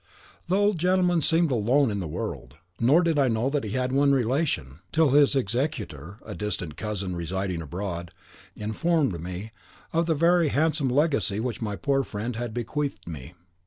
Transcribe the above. The old gentleman seemed alone in the world; nor did I know that he had one relation, till his executor, a distant cousin, residing abroad, informed me of the very handsome legacy which my poor friend had bequeathed me.